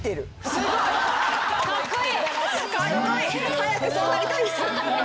早くそうなりたいです。